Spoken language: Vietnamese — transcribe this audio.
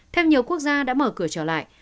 theo nhiều quốc gia đã mở cửa trở lại